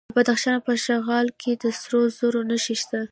د بدخشان په شغنان کې د سرو زرو نښې شته.